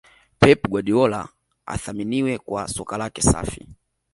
pep guardiola athaminiwe kwa Soka lake safi